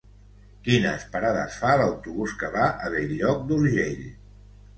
Quines parades fa l'autobús que va a Bell-lloc d'Urgell?